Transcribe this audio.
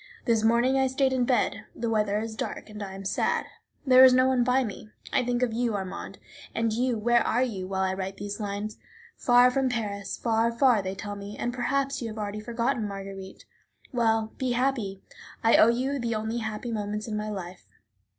This morning I stayed in bed. The weather is dark, I am sad; there is no one by me. I think of you, Armand. And you, where are you, while I write these lines? Far from Paris, far, far, they tell me, and perhaps you have already forgotten Marguerite. Well, be happy; I owe you the only happy moments in my life.